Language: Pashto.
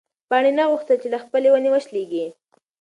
پاڼې نه غوښتل چې له خپلې ونې وشلېږي.